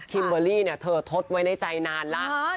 คิมเวอรี่เธอทดไว้ในใจนานแล้ว